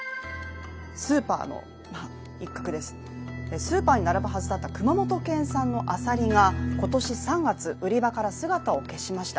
スーパーに並ぶはずだった熊本県さんのアサリが今年３月、売り場から姿を消しました。